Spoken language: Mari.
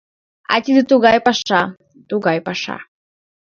А тиде тугай паша, тугай паша...